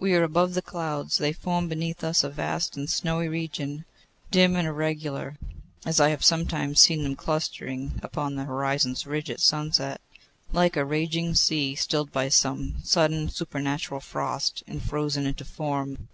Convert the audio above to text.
We are above the clouds. They form beneath us a vast and snowy region, dim and irregular, as I have sometimes seen them clustering upon the horizon's ridge at sunset, like a raging sea stilled by some sudden supernatural frost and frozen into form!